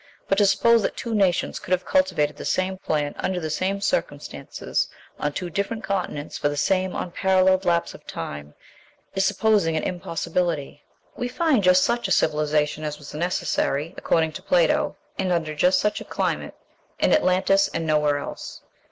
But to suppose that two nations could have cultivated the same plant, under the same circumstances, on two different continents, for the same unparalleled lapse of time, is supposing an impossibility. We find just such a civilization as was necessary, according to Plato, and under just such a climate, in Atlantis and nowhere else.